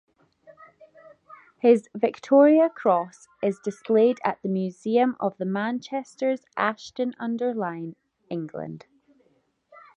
His Victoria Cross is displayed at the Museum of the Manchesters, Ashton-under-Lyne, England.